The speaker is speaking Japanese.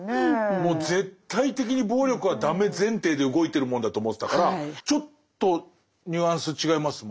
もう絶対的に暴力はダメ前提で動いてるものだと思ってたからちょっとニュアンス違いますもんね。